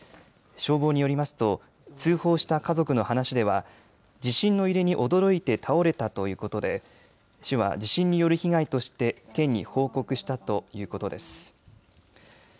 消防によりますと通報した家族の話では地震の揺れに驚いて倒れたということで市は地震による被害として県に報告したということです。